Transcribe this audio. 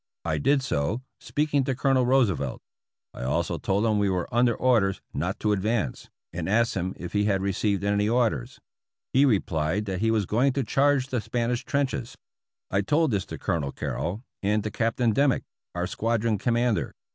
I did so, speaking to Colonel Roosevelt. I also told him we were under orders not to advance, and asked him if he had received any orders. He replied that he was going to charge the Spanish trenches. I told this to Colonel Carrol, and to Captain Dimmick, our squadron commander.